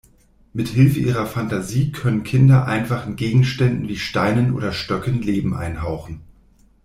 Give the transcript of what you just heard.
Mithilfe ihrer Fantasie können Kinder einfachen Gegenständen wie Steinen oder Stöcken Leben einhauchen.